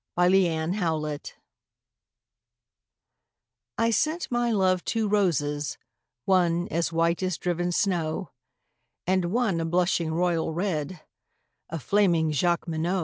The White Flag I sent my love two roses, one As white as driven snow, And one a blushing royal red, A flaming Jacqueminot.